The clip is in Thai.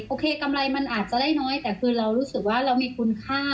กำไรมันอาจจะได้น้อยแต่คือเรารู้สึกว่าเรามีคุณค่า